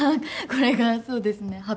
これがそうですね